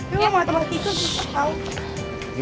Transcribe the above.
iya matematik itu bisa tau